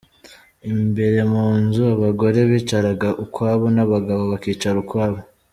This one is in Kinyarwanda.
Imbere mu nzu, abagore bicaraga ukwabo n’abagabo bakicara ukwabo.